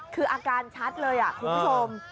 คืออาการชัดเลยคุ้มพรูสม